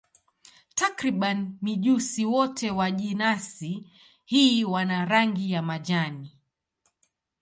Takriban mijusi wote wa jenasi hii wana rangi ya majani.